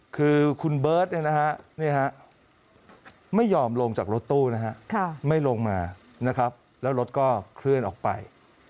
คือคุณเบิร์ตไม่ยอมลงจากรถตู้นะฮะไม่ลงมานะครับแล้วรถก็เคลื่อนออกไป